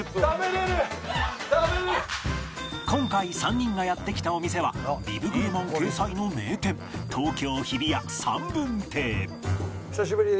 今回３人がやって来たお店はビブグルマン掲載の名店東京日比谷三分亭